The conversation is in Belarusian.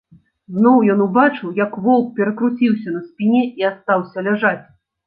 Зноў ён убачыў, як воўк перакруціўся на спіне і астаўся ляжаць.